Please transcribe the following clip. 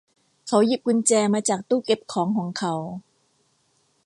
เขาหยิบกุญแจมาจากตู้เก็บของของเขา